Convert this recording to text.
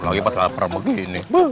lagi pas lapar begini